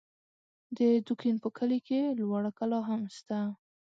د دوکین په کلي کې لوړه کلا هم سته